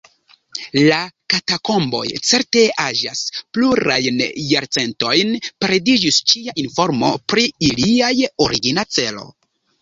La katakomboj certe aĝas plurajn jarcentojn; perdiĝis ĉia informo pri iliaj origina celo.